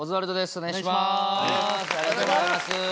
お願いします。